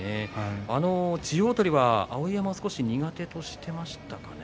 千代鳳は碧山を少し苦手としていましたか。